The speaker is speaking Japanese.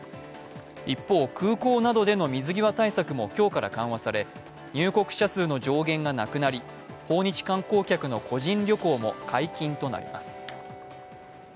一方、空港などでの水際対策も今日から緩和され入国者数の上限がなくなり、訪日観光客の個人旅行も解禁となります。